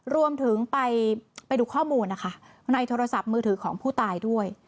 รวมถึงไปดูข้อมูลนะคะในโทรศัพท์มือถือของผู้ตายด้วย